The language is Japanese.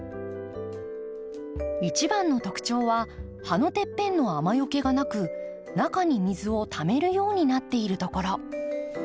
一番の特徴は葉のてっぺんの雨よけがなく中に水をためるようになっているところ。